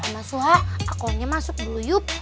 mas suha akunnya masuk dulu yuk